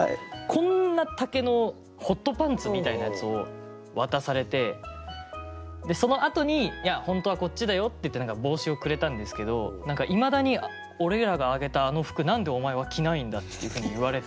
こんな丈のホットパンツみたいなやつを渡されてそのあとに「いや本当はこっちだよ」って言って帽子をくれたんですけど何かいまだに「俺らがあげたあの服何でお前は着ないんだ」っていうふうに言われて。